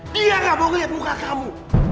dia gak mau ngeliat muka kamu